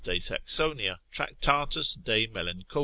de Saxonia, Tract. de Melanch.